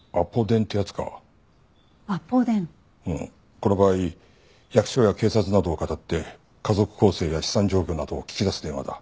この場合役所や警察などをかたって家族構成や資産状況などを聞き出す電話だ。